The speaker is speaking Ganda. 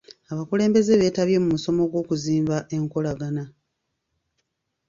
Abakulembeze beetabye mu musomo gw'okuzimba enkolagana.